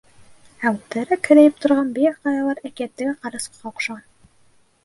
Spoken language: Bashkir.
Ә үрҙәрәк һерәйеп торған бейек ҡаялар әкиәттәге ҡарасҡыға оҡшаған.